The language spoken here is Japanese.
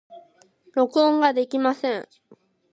録音ができません。